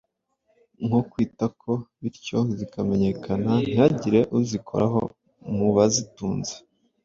nko kwitako bityo zikamenyekana ntihagire uzikoraho mu bazitunze.